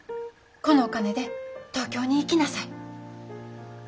このお金で東京に行きなさい」。